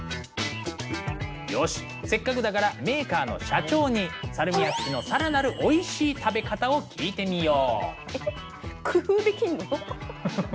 よしせっかくだからメーカーの社長にサルミアッキの更なるおいしい食べ方を聞いてみよう。